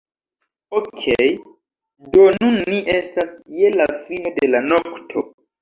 Okej do nun ni estas je la fino de la nokto